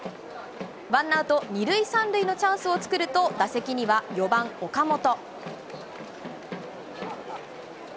ワンアウト２塁３塁のチャンスを作ると、打席には４番岡本。